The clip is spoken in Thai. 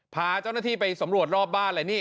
พาเจ้าหน้าที่ไปสำรวจรอบบ้านเลยนี่